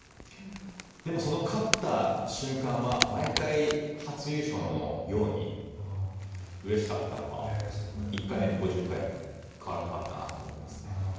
でも、その勝った瞬間は毎回初優勝のようにうれしかったのは１回目も５０回目も変わらなかったと思いますね。